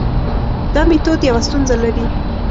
دا میتود یوه ستونزه لري.